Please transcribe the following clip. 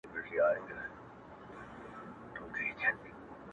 خاموسي تر ټولو دروند حالت دی,